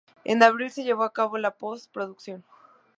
En abril se llevó a cabo la post-producción.